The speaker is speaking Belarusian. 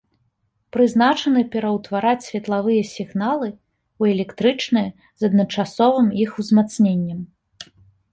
Прызначаны пераўтвараць светлавыя сігналы ў электрычныя з адначасовым іх узмацненнем.